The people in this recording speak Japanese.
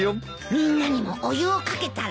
みんなにもお湯を掛けたら？